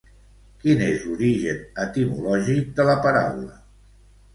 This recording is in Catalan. Quin és l'origen etimològic de la paraula?